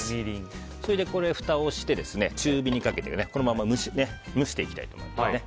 そして、ふたをして中火にかけて、このまま蒸していきたいと思います。